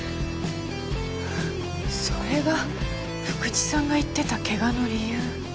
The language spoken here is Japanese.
それが福知さんが言ってた怪我の理由。